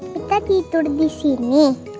kita tidur disini